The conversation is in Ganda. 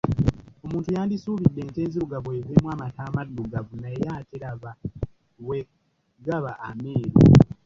Omuntu yandisuubidde ente enzirugavu eveemu amata amaddugavu naye ate laba bwe gaba ameeru.